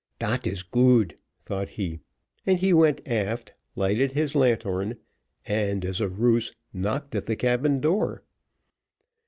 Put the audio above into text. "Dat is good," thought he, and he went aft, lighted his lanthorn, and, as a ruse, knocked at the cabin door.